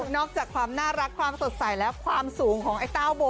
อกจากความน่ารักความสดใสและความสูงของไอ้เต้าโบ